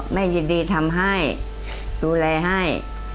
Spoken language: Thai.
ยินดีทำให้ดูแลให้